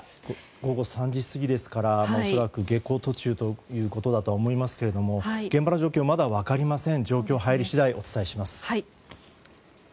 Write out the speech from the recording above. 午後３時過ぎですから恐らく下校途中だということだと思いますが現場の状況、まだ分かりません。